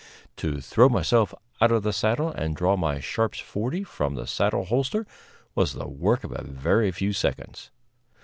To throw myself out of the saddle and draw my Sharps forty from the saddle holster was the work of a very few seconds.